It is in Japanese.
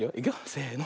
せの。